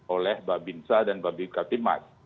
oleh babinsa dan babi kapimat